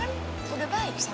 kamu kan udah baik sama aku